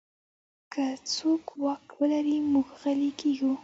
که څوک واک ولري، موږ غلی کېږو.